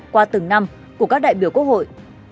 qua từng năm của các đại biểu quốc hội